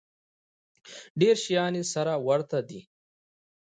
ډېر شیان یې سره ورته دي.